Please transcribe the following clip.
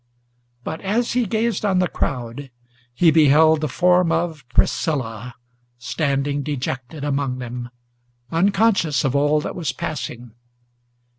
But as he gazed on the crowd, he beheld the form of Priscilla Standing dejected among them, unconscious of all that was passing.